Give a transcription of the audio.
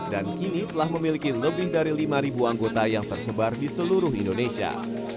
dan kini telah memiliki lebih dari lima anggota yang tersebar di seluruh indonesia